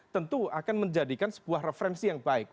tentu akan menjadikan sebuah referensi yang baik